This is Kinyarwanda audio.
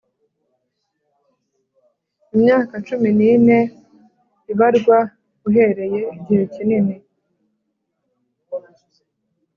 Imyaka cumi n ine ibarwa uhereye igihe kinini